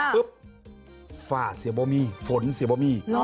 ปึ๊บฝ้าเสียบามี่ฝนเสียบามี่